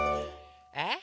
えっ？